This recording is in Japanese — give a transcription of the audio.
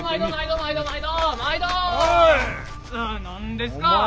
何ですか。